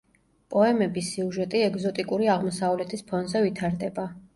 პოემების სიუჟეტი ეგზოტიკური აღმოსავლეთის ფონზე ვითარდება.